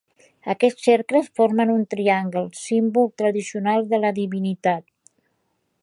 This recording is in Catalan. Aquests cercles formen un triangle, símbol tradicional de la divinitat.